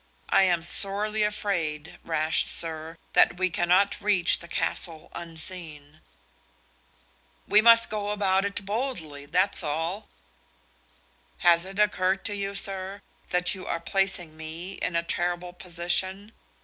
I am sorely afraid, rash sir, that we cannot reach the castle unseen." "We must go about it boldly, that's all." "Has it occurred to you, sir, that you are placing me in a terrible position?